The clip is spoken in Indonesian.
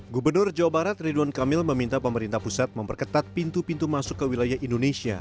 gubernur jawa barat ridwan kamil meminta pemerintah pusat memperketat pintu pintu masuk ke wilayah indonesia